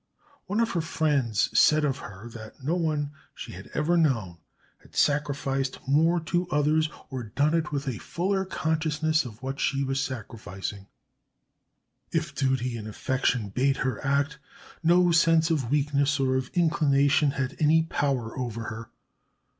One of her friends said of her that no one she had ever known had sacrificed more to others, or done it with a fuller consciousness of what she was sacrificing. If duty and affection bade her act, no sense of weakness or of inclination had any power over her.